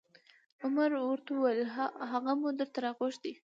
عمر ورته وویل: هغه مو درته راغوښتی